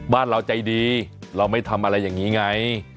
บ้านเราใจดีเราไม่ทำอะไรอย่างนี้ไง